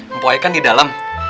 empok saya kan di dalam